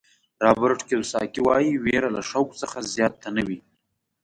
رابرټ کیوساکي وایي وېره له شوق څخه زیاته نه وي.